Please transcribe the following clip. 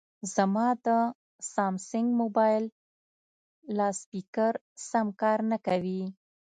زما د سامسنګ مبایل لاسپیکر سم کار نه کوي